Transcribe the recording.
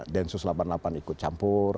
densus delapan puluh delapan ikut campur